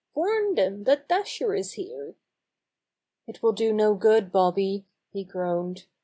"Warn them that Dasher is here!" "It will do no good, Bobby," he groaned.